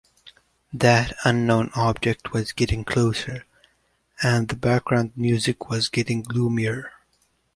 ‘’That unknow object was getting closer, and the background music was getting gloomier.’’